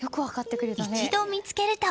一度見つけると